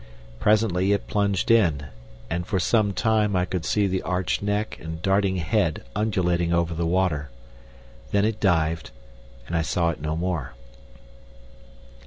Presently it plunged in, and for some time I could see the arched neck and darting head undulating over the water. Then it dived, and I saw it no more.